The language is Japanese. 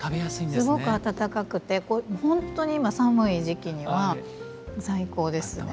すごく温かくて本当に今寒い時期には最高ですね。